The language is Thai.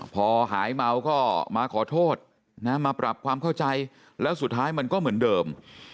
พอหายเมาก็มาขอโทษนะมาปรับความเข้าใจแล้วสุดท้ายมันก็เหมือนเดิม